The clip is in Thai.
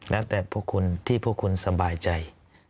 แล้วแต่ที่พวกคุณสบายใจ